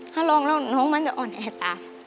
ถ้าร้องแล้วน้องมันจะอ่อนแอตา